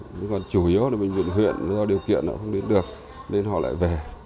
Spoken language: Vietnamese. nhưng còn chủ yếu là bệnh viện huyện do điều kiện nó không đến được nên họ lại về